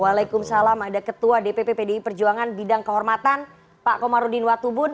waalaikumsalam ada ketua dpp pdi perjuangan bidang kehormatan pak komarudin watubun